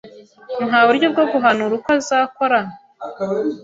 Nta buryo bwo guhanura uko azakora?